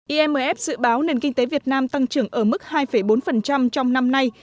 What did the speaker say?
imf dự báo nền kinh tế việt nam tăng trưởng ở mức hai bốn trong năm nay